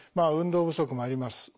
運動不足もあります。